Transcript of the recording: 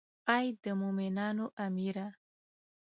ای د مومنانو امیره.